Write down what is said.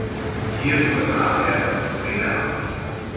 Hier übernahm er das Traineramt.